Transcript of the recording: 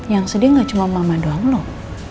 yang sedih gak cuma mama doang loh